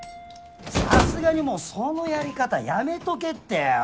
さすがにもうそのやり方やめとけってお前。